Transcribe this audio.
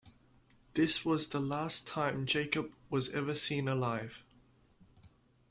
This was the last time Jacob was ever seen alive.